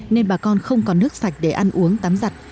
nên bà con không còn nước sạch để ăn uống tắm giặt